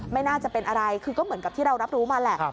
ไม่น่าจะเป็นอะไรคือก็เหมือนกับที่เรารับรู้มาแหละ